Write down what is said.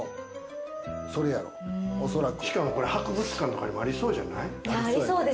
しかもこれ博物館とかにもありそうじゃない？